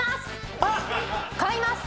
買います！